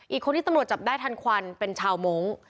อีกคนที่ตำรวจจับได้ทันควันเป็นชาวมงค์